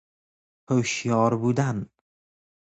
هشیار بودن